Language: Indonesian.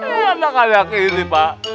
eh anak anak ini pak